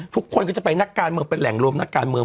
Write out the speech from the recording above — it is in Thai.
ทุกคนก็จะไปนักการเมืองเป็นแหล่งรวมนักการเมือง